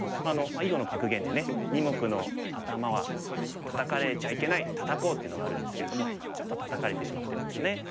囲碁の格言でね二目のアタマはタタかれちゃいけないタタこうっていうのがあるんですけれどもちょっとタタかれてしまってるんですよね。